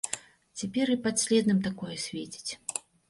Цяпер і падследным такое свеціць.